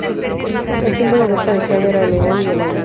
El símbolo de esta legión era el león y el águila.